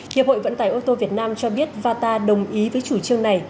hiệp hội vận tải ô tô việt nam cho biết vata đồng ý với chủ trương này